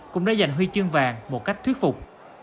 cũng đã giành huy chương vàng một cách thuyết phục